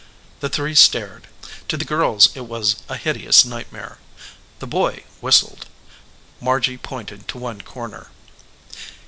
The three stared. To the girls it was a hideous night mare. The boy whistled. Margy pointed to one corner.